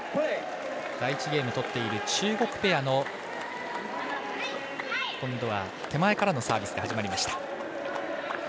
第１ゲームとっている中国ペアの今度は手前からのサービス。